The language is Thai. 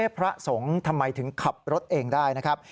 พระสงฆ์ทำไมถึงขับรถเองได้นะครับ